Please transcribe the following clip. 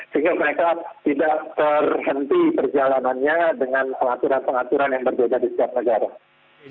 sehingga mereka tidak terhenti perjalanannya dengan pengaturan pengaturan yang berbeda di setiap negara